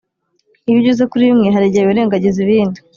iyo ugeze kuri bimwe harigihe wirengagiza ibindi,